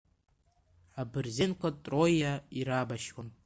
Абырзенқәа троиаа ирабашьуан.